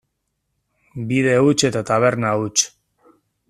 Bide huts eta taberna huts.